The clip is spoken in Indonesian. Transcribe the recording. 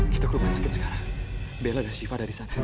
kita ke rumah sakit sekarang bella dan siva ada di sana